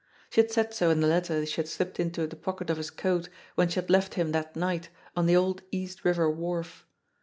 She had said so in the letter she had slipped into the pocket of his coat when she had left him that night on the old East River wharf.